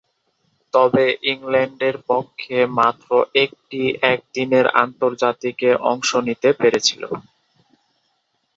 তবে, ইংল্যান্ডের পক্ষে মাত্র একটি একদিনের আন্তর্জাতিকে অংশ নিতে পেরেছিলেন।